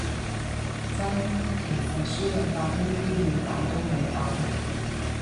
真，其實輸入法呢啲要搞都好快